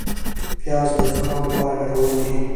پیاز د زکام لپاره ګټور دي